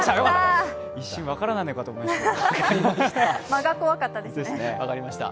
一瞬分からないのかと思いました。